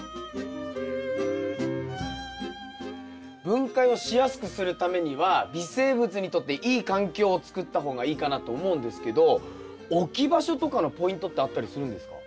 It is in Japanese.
分解をしやすくするためには微生物にとっていい環境をつくった方がいいかなと思うんですけど置き場所とかのポイントってあったりするんですか？